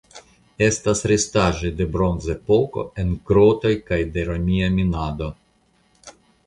Estas restaĵoj de Bronzepoko en grotoj kaj de romia minado.